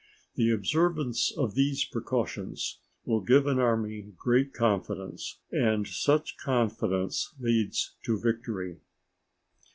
The observance of these precautions will give an army great confidence, and such confidence leads to victory.